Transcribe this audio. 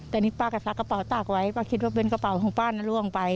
แต่นี่ป้าก็ซักกระเป๋าตากไว้ป้าคิดว่าเป็นกระเป๋าของป้าน่ะล่วงไป